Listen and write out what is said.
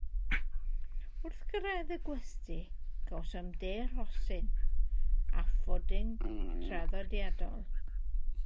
Wrth gyrraedd y gwesty, cawsom de rhosyn a phwdin traddodiadol.